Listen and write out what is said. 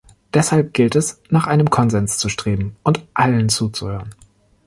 Deshalb gilt es, nach einem Konsens zu streben und allen zuzuhören.